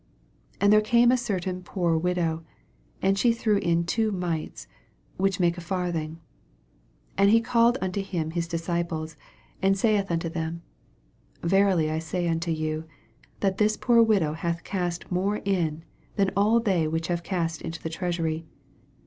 42 And there came a certain poor widow, and she threw in two mites, which make a farthing. 43 And he called unto Mm his dis ciples, and saith unto them, Verilv I say unto you, That this poor widow hath cast more in, than all they which have cast into the treasury.